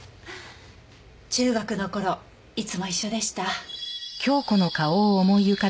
中学の頃いつも一緒でした。